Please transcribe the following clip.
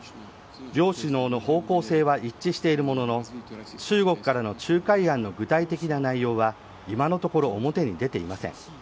両首脳の方向性は一致しているものの中国からの仲介案の具体的な内容は今のところ、表に出ていません。